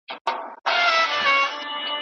پلار مې زه د مجلې پسې لېږلم.